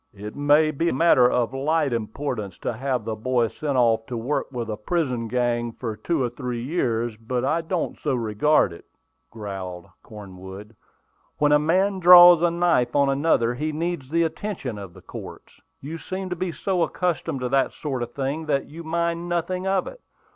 "It may be a matter of light importance to have the boy sent off to work with a prison gang for two or three years, but I don't so regard it," growled Cornwood. "When a man draws a knife on another, he needs the attention of the courts. You seem to be so accustomed to that sort of thing that you mind nothing about it.